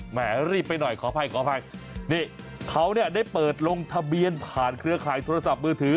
แหมรีบไปหน่อยขออภัยขออภัยนี่เขาเนี่ยได้เปิดลงทะเบียนผ่านเครือข่ายโทรศัพท์มือถือ